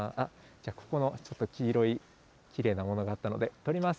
ここのちょっと黄色いきれいなものがあったので、とります。